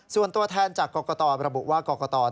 ส่วนตัวแทนจากกรกฎอธรรมระบุว่ากรกฎอธรรม